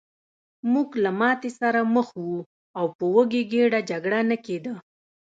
موږ له ماتې سره مخ وو او په وږې ګېډه جګړه نه کېده